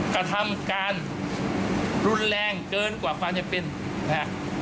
กระทำการรุนแรงเกินกว่าความจำเป็นนะฮะ